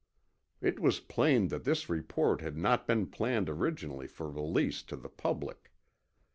It was plain that this report had not been planned originally for release to the public.